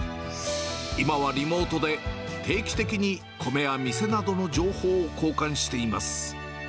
今はリモートで定期的に米や店などの情報を交換しています。